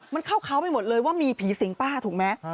มันเข้าเขาไปหมดเลยว่ามีผีสิงป้าถูกไหม